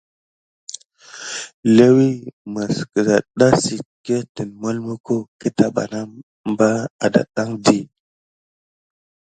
Léwi məs kədaɗɗa sit kirtine mulmuko keta bana bar adaɗɗaŋ di.